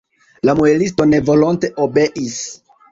La muelisto nevolonte obeis.